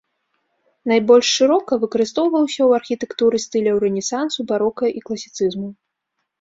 Найбольш шырока выкарыстоўваўся ў архітэктуры стыляў рэнесансу, барока і класіцызму.